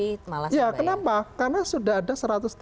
tidak membayar ya kenapa karena sudah ada